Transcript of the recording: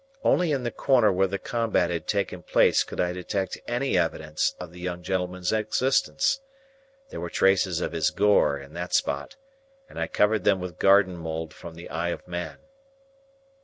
Only in the corner where the combat had taken place could I detect any evidence of the young gentleman's existence. There were traces of his gore in that spot, and I covered them with garden mould from the eye of man.